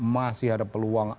masih ada peluang